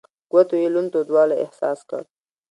ګوتو يې لوند تودوالی احساس کړ.